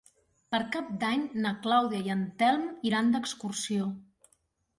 Per Cap d'Any na Clàudia i en Telm iran d'excursió.